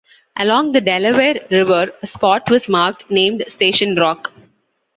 Along the Delaware River, a spot was marked named station rock.